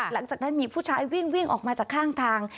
หลังจากนั้นมีผู้ชายวิ่งวิ่งออกมาจากข้างทาง